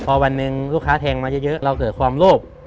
พอวันหนึ่งลูกค้าแทงมาเยอะเราเกิดความโลภ